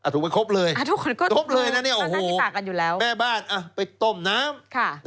ถูกไปครบเลยครบเลยนะนี่แม่บ้านไปต้มน้ำ